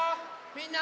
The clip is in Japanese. みんな。